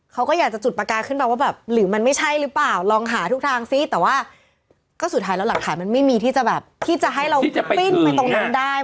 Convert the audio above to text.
เขาก็อยากจะจุดประกายขึ้นมาว่าแบบหรือมันไม่ใช่หรือเปล่าลองหาทุกทางซิแต่ว่าก็สุดท้ายแล้วหลักฐานมันไม่มีที่จะแบบที่จะให้เราปิ้นไปตรงนั้นได้